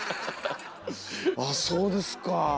あそうですか。